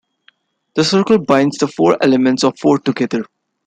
The circle binds the four elements of four together.